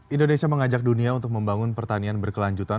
indonesia mengajak dunia untuk membangun pertanian berkelanjutan